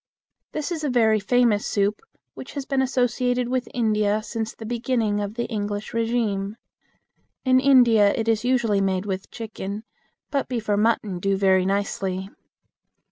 This is a very famous soup which has been associated with India since the beginning of the English regime. In India it is usually made with chicken, but beef or mutton do very nicely.